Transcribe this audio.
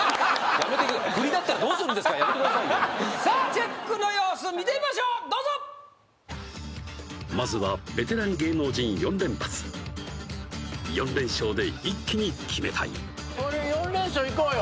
やめてくださいよさあチェックの様子見てみましょうどうぞまずはベテラン芸能人４連発４連勝で一気に決めたいこれ４連勝いこうよ